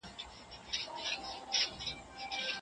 هغه به د خپلې خوښې ژوند تیروي.